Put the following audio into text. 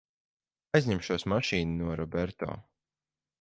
Aizņemšos mašīnu no Roberto.